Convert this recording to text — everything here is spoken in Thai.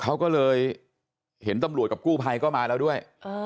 เขาก็เลยเห็นตำรวจกับกู้ภัยก็มาแล้วด้วย